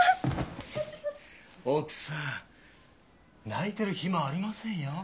奥さん泣いてる暇はありませんよ。